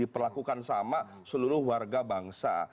diperlakukan sama seluruh warga bangsa